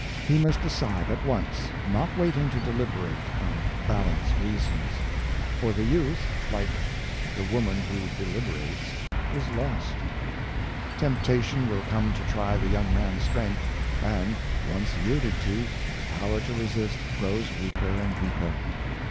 He must decide at once, not waiting to deliberate and bal Hiio h Miller, 389 ^ ance reasons: for the youth, Hke "the woman who de Hberates, is lost." Temptation will come to try the young man's strength; and, once yielded to, the power to resist grows weaker and weaker.